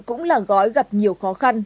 cũng là gói gặp nhiều khó khăn